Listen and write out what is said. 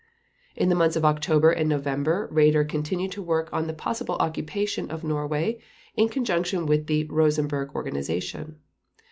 In the months of October and November Raeder continued to work on the possible occupation of Norway, in conjunction with the "Rosenberg Organization."